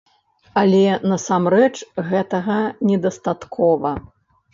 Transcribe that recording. Але насамрэч гэтага недастаткова.